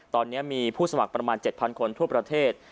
ตอนนี้มีผู้สมัครประมาณ๗๐๐คนทั่วประเทศ